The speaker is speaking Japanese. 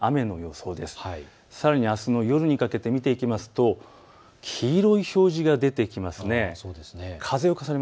さらにあすの夜にかけて見ていきますと黄色い表示が出てきますね。